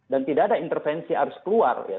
dan tidak ada intervensi harus keluar ya